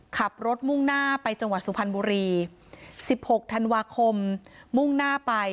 ขับรถมุ่งหน้าไปจังหวัดสุพรรณบุรี๑๖ธันวาคมมุ่งหน้าไป